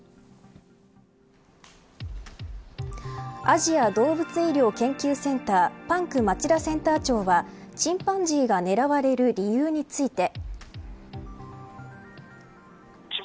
アジア動物医療研究センターパンク町田センター長はチンパンジーが狙われる理由について。